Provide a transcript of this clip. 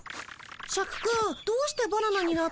シャクくんどうしてバナナになったの？